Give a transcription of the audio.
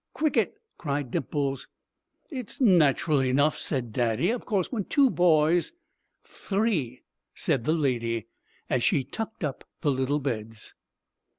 "Cwicket!" cried Dimples. "It's natural enough," said Daddy; "of course when two boys " "Three," said the Lady, as she tucked up the little beds.